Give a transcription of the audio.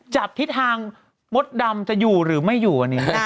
จับทิศทางมสดร์จะอยู่หรือไม่อยู่